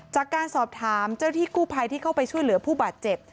จากการสอบถามเจ้าที่กู้ภัยที่เข้าไปช่วยเหลือผู้บาดเจ็บ